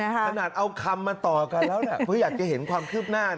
ขนาดเอาคำมาต่อกันแล้วเพราะอยากจะเห็นความคืบหน้า